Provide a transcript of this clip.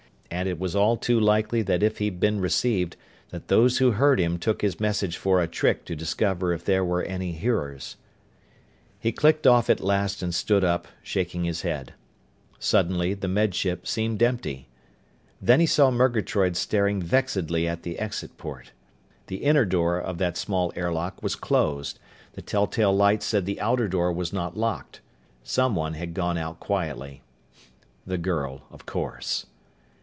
And it was all too likely that if he'd been received, that those who heard him took his message for a trick to discover if there were any hearers. He clicked off at last and stood up, shaking his head. Suddenly the Med Ship seemed empty. Then he saw Murgatroyd staring vexedly at the exit port. The inner door of that small airlock was closed. The telltale light said the outer door was not locked. Someone had gone out quietly. The girl. Of course.